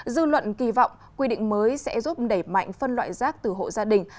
dư luận kỳ vọng quy định mới sẽ giúp đẩy mạnh phân loại rác từ hộ gia đình